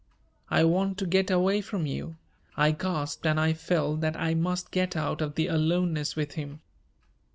"I want to get away from you," I gasped and I felt that I must get out of the aloneness with him.